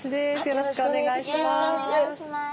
よろしくお願いします。